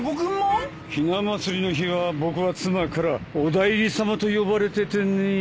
ひな祭りの日は僕は妻から「お内裏さま」と呼ばれててねえ。